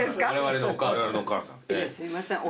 すいません。